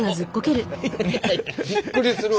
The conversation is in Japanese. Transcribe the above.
びっくりするわ。